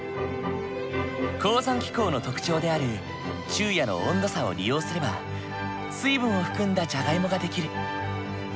高山気候の特徴である昼夜の温度差を利用すれば水分を含んだじゃがいもが出来る。